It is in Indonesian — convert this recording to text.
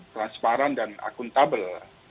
transparan dan akuntabel